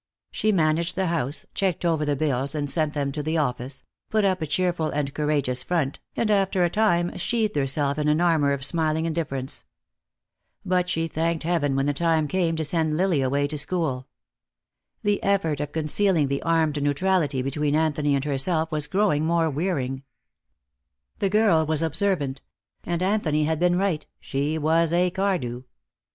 She managed the house, checked over the bills and sent them to the office, put up a cheerful and courageous front, and after a time sheathed herself in an armor of smiling indifference. But she thanked heaven when the time came to send Lily away to school. The effort of concealing the armed neutrality between Anthony and herself was growing more wearing. The girl was observant. And Anthony had been right, she was a Cardew.